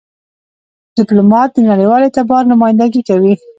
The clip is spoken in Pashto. ډيپلومات د نړېوال اعتبار نمایندګي کوي.